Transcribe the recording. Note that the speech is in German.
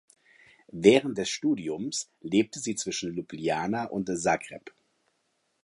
Während des Studiums lebte sie zwischen Ljubljana und Zagreb.